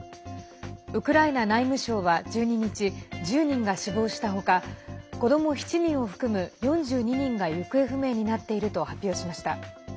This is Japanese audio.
ウクライナ内務省は１２日１０人が死亡した他子ども７人を含む４２人が行方不明になっていると発表しました。